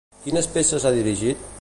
Quines peces ha dirigit?